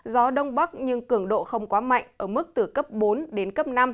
gió đông bắc nhưng cường độ không quá mạnh ở mức từ cấp bốn đến cấp năm